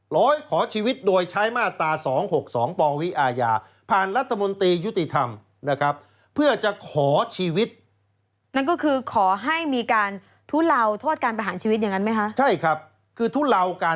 ล้วนขอชีวิตโดยใช้มาตรา๒๖๒